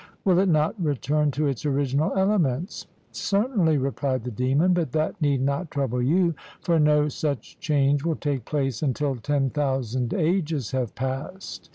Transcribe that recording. "Will it not return to its original elements?" "Certainly," replied the demon, "but that need not trouble you, for no such change will take place until ten thousand ages have passed."